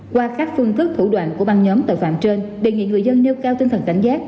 qua các phương thức thủ đoạn của băng nhóm tội phạm trên đề nghị người dân nêu cao tinh thần cảnh giác